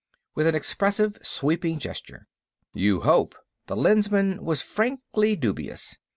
With an expressive, sweeping gesture. "You hope," the Lensman was frankly dubious.